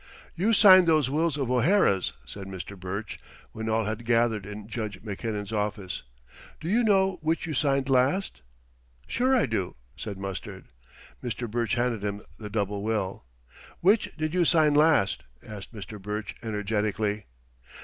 "You signed those wills of O'Hara's," said Mr. Burch when all had gathered in Judge Mackinnon's office. "Do you know which you signed last?" "Sure, I do," said Mustard. Mr. Burch handed him the double will. "Which did you sign last?" asked Mr. Burch energetically.